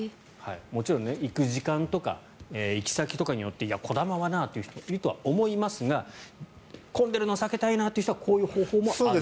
もちろん行く時間とか行き先とかによってこだまはなという人がいるとは思いますが混んでいるのを避けたいなという人はこういう方法もある。